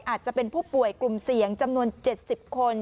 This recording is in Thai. อาจจะเป็นผู้ป่วยกลุ่มเสี่ยงจำนวน๗๐คน